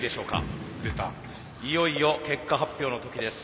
いよいよ結果発表の時です。